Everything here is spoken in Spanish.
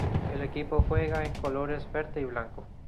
El equipo juega en colores verde y blanco.